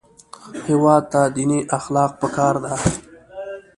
هېواد ته دیني اخلاق پکار دي